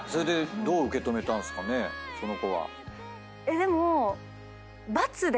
でも。